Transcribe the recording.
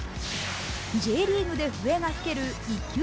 Ｊリーグで笛が吹ける１級